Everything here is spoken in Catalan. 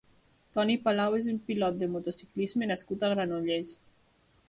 Toni Palau és un pilot de motociclisme nascut a Granollers.